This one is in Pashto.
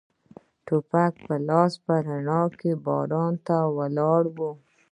ټوپک په لاس په رڼا کې باران ته ولاړ و.